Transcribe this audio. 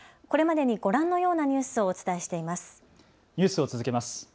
これまでにご覧のようなニュースをお伝えしています。